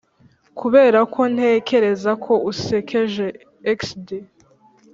kuberako ntekereza ko usekeje. xd